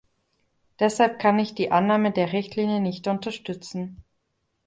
Deshalb kann ich die Annahme der Richtlinie nicht unterstützen.